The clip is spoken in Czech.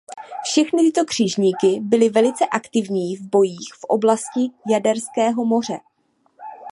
Všechny tyto křižníky byly velice aktivní v bojích v oblasti Jaderského moře.